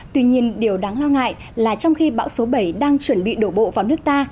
tuy nhiên điều đáng lo ngại là trong khi bão số bảy đang chuẩn bị đổ bộ vào nước ta